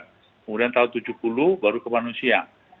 kemudian tahun seribu sembilan ratus tujuh puluh baru ke manusia